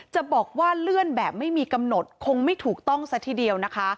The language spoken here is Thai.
จะบอกว่าเลื่อนแบบไม่มีกำหนดคงไม่ถูกต้องซะทีเดียวนะคะ